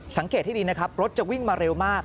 สังเกตให้ดีนะครับรถจะวิ่งมาเร็วมาก